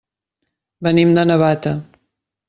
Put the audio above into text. Venim de Navata.